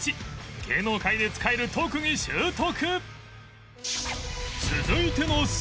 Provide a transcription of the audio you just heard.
芸能界で使える特技習得